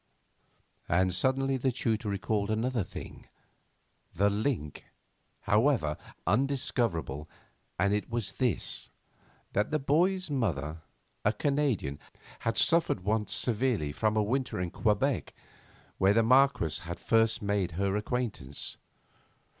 And suddenly the tutor recalled another thing, the link, however, undiscoverable, and it was this: that the boy's mother, a Canadian, had suffered once severely from a winter in Quebec, where the Marquess had first made her acquaintance.